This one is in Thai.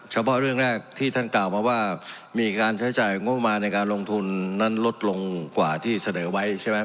เฉพาะเรื่องแรกที่ท่านกล่าวมาว่ามีการใช้จ่ายงบมาในการลงทุนนั้นลดลงกว่าที่เสนอไว้ใช่ไหม